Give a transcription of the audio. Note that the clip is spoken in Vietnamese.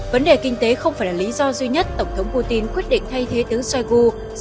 vấn đề kinh tế không phải là lý do duy nhất tổng thống putin quyết định thay thế tướng shoigu